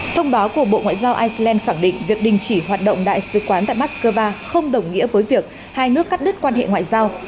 thông báo của bộ ngoại giao iceland khẳng định việc đình chỉ hoạt động đại sứ quán tại moscow không đồng nghĩa với việc hai nước cắt đứt quan hệ ngoại giao